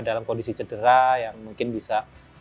dalam kondisi cedera yang mungkin bisa